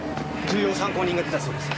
重要参考人が出たそうです。